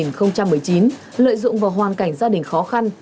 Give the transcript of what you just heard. năm hai nghìn một mươi chín lợi dụng vào hoàn cảnh gia đình khó khăn